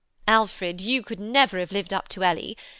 Alfred, you could never have lived up to Ellie.